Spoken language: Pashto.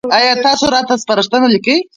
ایا تاسو راته سپارښتنه لیکئ؟